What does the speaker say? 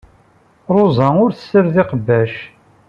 Ṛuza ur tessared iqbac.